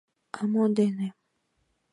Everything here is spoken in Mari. — А мо дене?